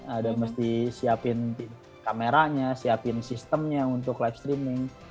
ada mesti siapin kameranya siapin sistemnya untuk live streaming